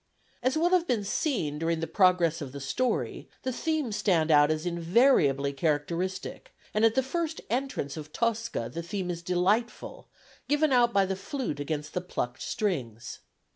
As will have been seen during the progress of the story, the themes stand out as invariably characteristic, and at the first entrance of Tosca the theme is delightful, given out by the flute against the plucked strings.